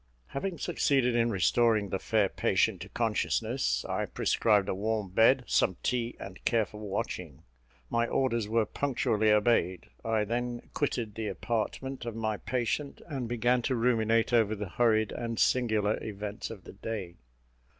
Having succeeded in restoring the fair patient to consciousness, I prescribed a warm bed, some tea, and careful watching. My orders were punctually obeyed; I then quitted the apartment of my patient, and began to ruminate over the hurried and singular events of the day.